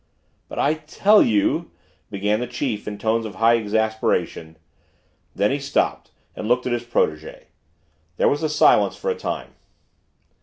"But I tell you " began the chief in tones of high exasperation. Then he stopped and looked at his protege. There was a silence for a time.